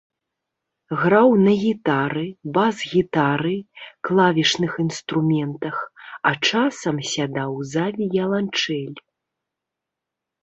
Граў на гітары, бас-гітары, клавішных інструментах, а часам сядаў за віяланчэль.